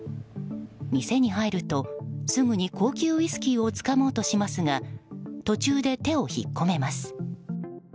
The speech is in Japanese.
店に入るとすぐに高級ウイスキーをつかもうとしますが途中で手を引っ込めます。